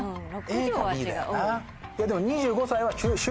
ＡかＢだよな。